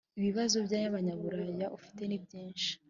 'ibibazo by'abanyaburaya ufite nibyinshi